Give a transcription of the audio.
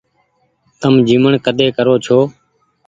تم جيمڻ ڪۮي ڪرو ڇو۔